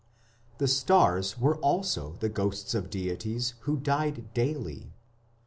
The stars were also the ghosts of deities who died daily.